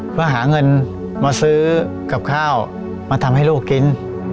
เพื่อหาเงินมาซื้อกับข้าวมาทำให้ลูกกิน